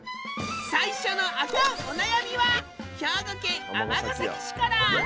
最初のアカンお悩みは兵庫県尼崎市から。